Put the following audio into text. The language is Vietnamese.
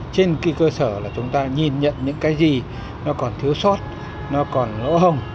trên cơ sở là chúng ta nhìn nhận những cái gì nó còn thiếu sót nó còn lỗ hồng